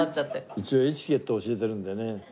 一応エチケット教えてるんでね。